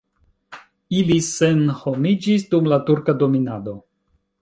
Ili senhomiĝis dum la turka dominado.